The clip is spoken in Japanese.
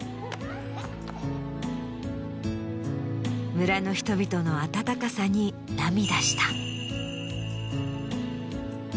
村の人々の温かさに涙した。